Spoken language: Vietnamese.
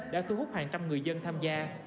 đã thu hút hàng trăm người dân tham gia